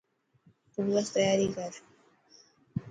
تون بس تياري ڪر.